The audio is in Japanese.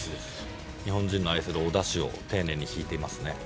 日本人の愛するおダシを丁寧に引いていますね